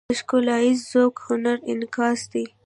د ښکلاییز ذوق هنري انعکاس دی.